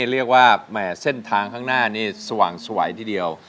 เรียกว่าแส่นทางข้างหน้านี้สว่างสวยที่เดียว